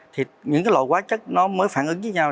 thì những loại quá chất nó mới phản ứng với nhau